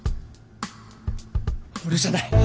俺じゃない！